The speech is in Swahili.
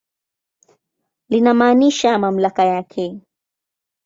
Linamaanisha mamlaka yake.